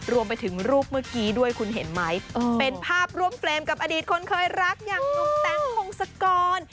รวมไปถึงรูปเมื่อกี้ด้วยคุณเห็นไหมเป็นภาพร่วมเฟรมกับอดีตคนเคยรักอย่างหนุ่มแต๊งพงศกร